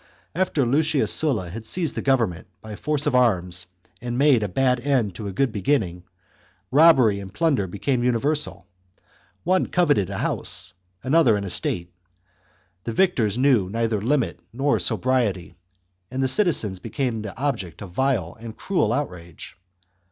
After Lucius Sulla had seized the govern ment by force of arms, and made a bad end to a good beginning, robbery and plunder became universal ; one coveted a house, another an estate, the victors knew neither limit nor sobriety, and citizens became the 10 THE CONSPIRACY OF CATILINE. CHAP, object of vile and cruel outrage.